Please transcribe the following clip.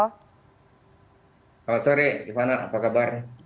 selamat sore rifana apa kabar